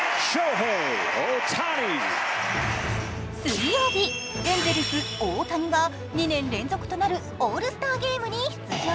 水曜日、エンゼルス・大谷が２年連続となるオールスターゲームに出場。